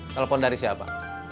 telepon dari siapa